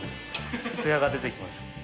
つやが出てきました。